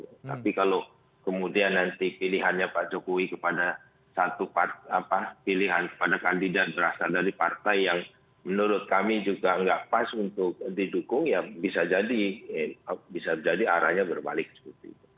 tapi kalau kemudian nanti pilihannya pak jokowi kepada satu pilihan kepada kandidat berasal dari partai yang menurut kami juga nggak pas untuk didukung ya bisa jadi bisa jadi arahnya berbalik seperti itu